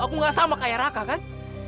aku gak sama kayak raka kan